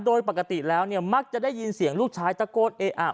โดยปกติแล้วเนี่ยมักจะได้ยินเสียงลูกชายตะโกนเออะ